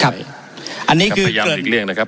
ครับอันนี้คือพยายามหลีกเลี่ยงนะครับ